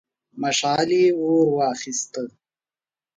مشعل يې ور واخيست.